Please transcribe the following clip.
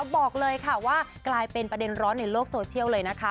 บอกเลยค่ะว่ากลายเป็นประเด็นร้อนในโลกโซเชียลเลยนะคะ